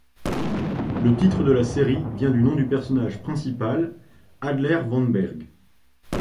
Le titre de la série vient du nom du personnage principal Adler von Berg.